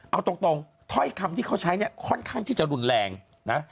เอาตรงถ้อยคำที่เขาใช้เนี่ยค่อนข้างที่จะรุนแรงนะ